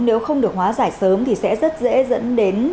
nếu không được hóa giải sớm thì sẽ rất dễ dẫn đến